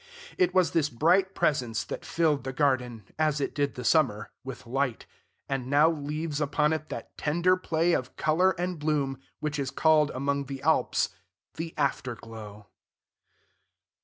It was this bright presence that filled the garden, as it did the summer, with light, and now leaves upon it that tender play of color and bloom which is called among the Alps the after glow.